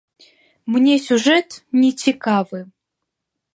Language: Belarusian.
Мне сюжэт не цікавы.